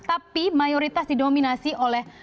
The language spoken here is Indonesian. tapi mayoritas didominasi oleh